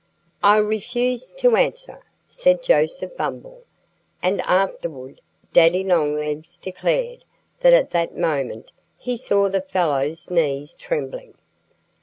"I refuse to answer!" said Joseph Bumble. And afterward Daddy Longlegs declared that at that moment he saw the fellow's knees trembling.